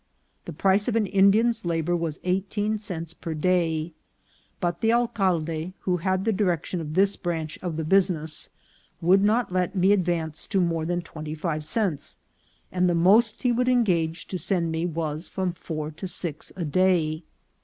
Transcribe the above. The price of an Indian's labour was eighteen cents per day ; but the alcalde, who had the direction of this branch of the business, would not let me advance to more than twenty five cents, and the most he would engage to send me was from four to six a day.